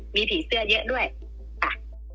มีผีเสื้อเยอะด้วยค่ะ